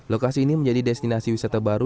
lokasi ini menjadi destinasi wisata baru